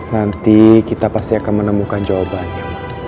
nanti kita pasti akan menemukan jawabannya